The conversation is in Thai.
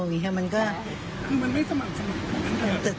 คือมันไม่สมัครสมัคร